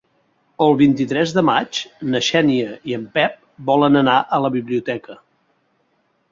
El vint-i-tres de maig na Xènia i en Pep volen anar a la biblioteca.